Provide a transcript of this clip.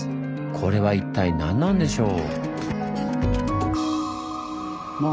これは一体なんなんでしょう？